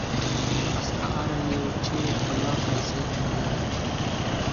استعاره يو چې خپلواک حيثيت نه لري.